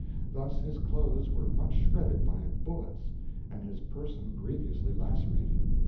Thus his clothes were much shredded by bullets and his person grievously lacerated.